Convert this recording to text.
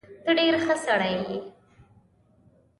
ته ډیر ښه سړی یې